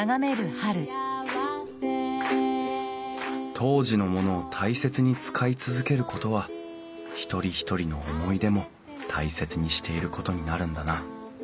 当時のものを大切に使い続けることは一人一人の思い出も大切にしていることになるんだな